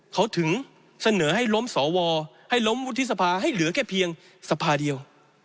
เขาถึงเสนอให้ล้มสวให้ล้มวุฒิสภาให้เหลือแค่เพียงสภาเดียว